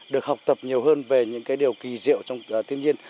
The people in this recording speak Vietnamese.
được học tập nhiều hơn về những cái điều kỳ diệu trong thiên nhiên